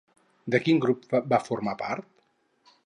De quin grup va formar part?